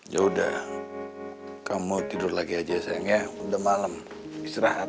yaudah kamu tidur lagi aja sayang ya udah malem istirahat